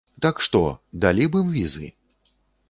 Так што, далі б ім візы?